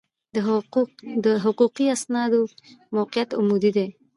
د حقوقي اسنادو موقعیت عمودي دی.